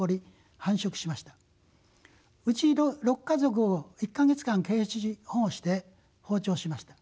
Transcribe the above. うち６家族を１か月間ケージ保護して放鳥しました。